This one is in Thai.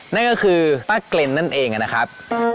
นั่นก็คือป้าเกร็นนั่นเองนะครับ